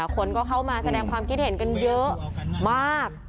คนก็เข้ามาแสดงความคิดเห็นกันเยอะมาก